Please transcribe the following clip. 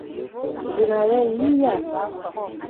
Jina lie iya?